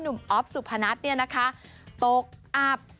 หนุ่มอ๊อฟสุภนัฐเนี่ยนะคะตกอับ